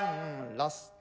ラスト。